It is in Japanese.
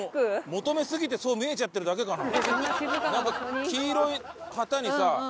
求めすぎてそう見えちゃってるだけかな？